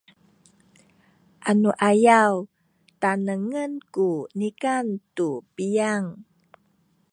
anuayaw tanengen ku nikan tu piyang